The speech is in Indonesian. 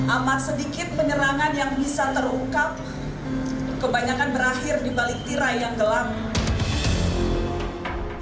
amat sedikit penyerangan yang bisa terungkap kebanyakan berakhir di balik tirai yang gelap